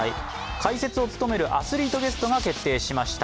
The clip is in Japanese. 解説を務めるアスリートゲストが決定しました。